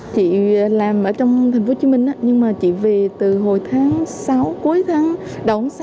chị làm ở trong thành phố hồ chí minh nhưng mà chị về từ hồi tháng sáu cuối tháng đón sáu